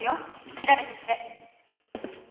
調べてきて！